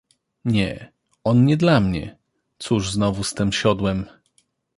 "Nie, on nie dla mnie... Cóż znowu z tem siodłem!"